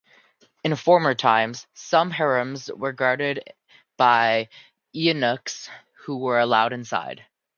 In former times, some harems were guarded by eunuchs who were allowed inside.